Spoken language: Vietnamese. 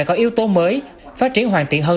có yếu tố mới phát triển hoàn thiện hơn